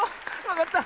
わかった。